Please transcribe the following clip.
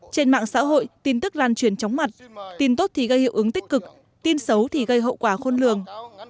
trên mạng xã hội tin tức lan truyền chóng mặt tin tốt thì gây hiệu ứng tích cực tin xấu thì gây hậu quả khôn lường